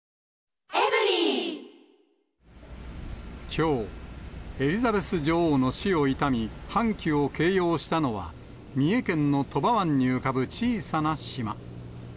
きょう、エリザベス女王の死を悼み、半旗を掲揚したのは、三重県の鳥羽湾に浮かぶ小さな島。